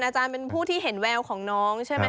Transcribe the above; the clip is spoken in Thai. อาจารย์เป็นผู้ที่เห็นแววของน้องใช่ไหม